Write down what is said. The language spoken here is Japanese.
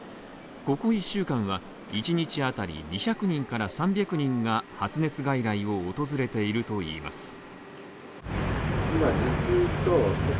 ここ１週間は一日当たり２００人から３００人が発熱外来を訪れているといいます。